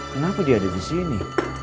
kenapa dia ada di sini